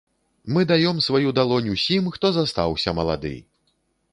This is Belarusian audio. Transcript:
Мы даём сваю далонь, усім хто застаўся малады!